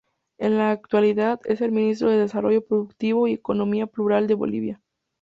En la actualidad, es el Ministro de Desarrollo Productivo y Economía Plural de Bolivia.